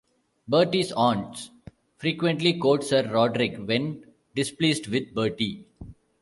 Bertie's aunts frequently quote Sir Roderick when displeased with Bertie.